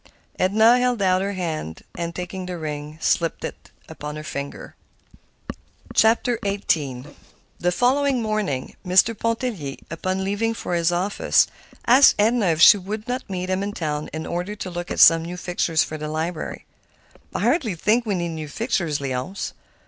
Edna held out her hand, and taking the ring, slipped it upon her finger. XVIII The following morning Mr. Pontellier, upon leaving for his office, asked Edna if she would not meet him in town in order to look at some new fixtures for the library. "I hardly think we need new fixtures, Léonce.